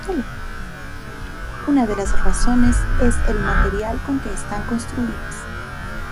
Una de las razones es el material con que están construidas.